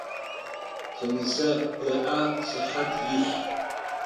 Тинысэ ыӏэ сыхьат илъ.